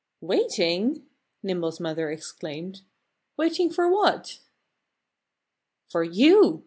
"Waiting?" Nimble's mother exclaimed. "Waiting for what?" "For you!"